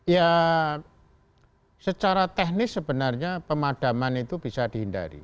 ya secara teknis sebenarnya pemadaman itu bisa dihindari